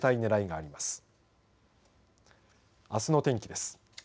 あすの天気です。